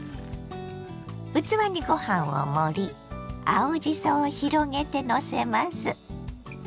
器にご飯を盛り青じそを広げてのせます。